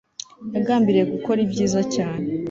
yagambiriye gukora ibyiza cyane